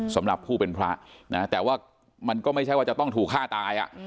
สำหรับผู้เป็นพระนะแต่ว่ามันก็ไม่ใช่ว่าจะต้องถูกฆ่าตาย